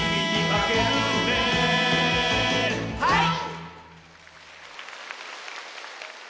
はい！